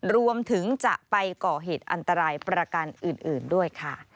รวมถึงจะไปก่อเหตุอันตรายประกันอื่นด้วยค่ะ